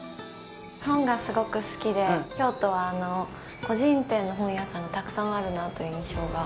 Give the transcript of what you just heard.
本がすごく好きで京都は個人店の本屋さんがたくさんあるなという印象が。